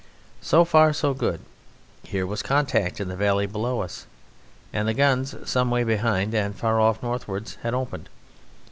So far so good. Here was contact in the valley below us, and the guns, some way behind and far off northwards, had opened.